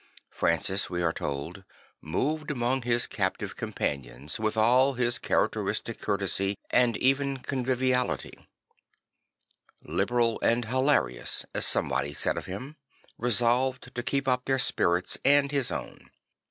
Francis, we are told, moved among his captive companions with all his characteristic courtesy and even conviviality, It liberal and hilarious II as somebody said of him, resolved to keep up their spirits and his own.